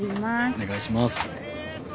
お願いします。